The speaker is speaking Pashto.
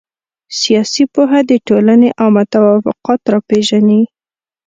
سياسي پوهه د ټولني عامه توافقات را پېژني.